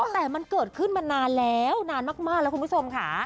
แต่มันเกิดขึ้นมานานแล้วนานมากแล้วคุณผู้ชมค่ะ